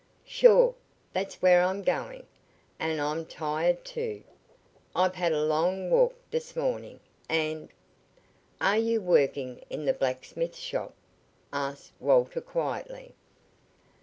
"Sure. That's where I'm goin', and I'm tired, too. I've had a long walk this mornin', and " "Are you working in the blacksmith shop?" asked Walter quietly.